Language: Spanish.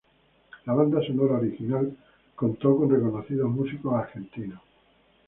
La banda sonora original contó con reconocidos músicos argentinos.